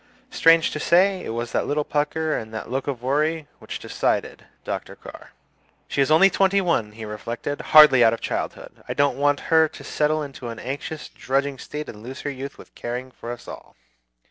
Strange to say, it was that little pucker and the look of worry which decided Dr. Carr. "She is only twenty one," he reflected; "hardly out of childhood. I don't want her to settle into an anxious, drudging state and lose her youth with caring for us all.